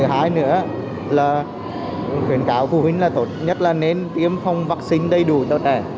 cái thứ ba nữa là khuyến cáo phụ huynh là tốt nhất là nên tiêm phòng vắc xin đầy đủ cho trẻ